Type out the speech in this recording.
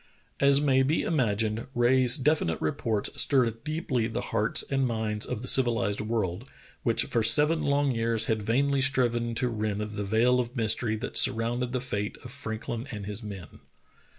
" As may be imagined, Rae's definite reports stirred deeply the hearts and minds of the civilized world, which for seven long years had vainly striven to rend the veil of mystery that surrounded the fate of Frank lin and his men.